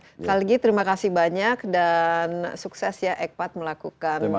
sekali lagi terima kasih banyak dan sukses ya eqpat menurut saya